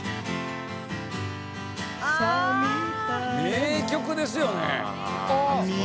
名曲ですよね。